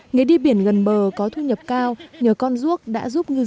nghề đi biển gần bờ có thu nhập cao nhờ con ruốc đã giúp ngư dân